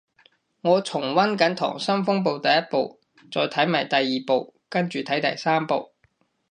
我重溫緊溏心風暴第一部，再睇埋第二部跟住睇第三部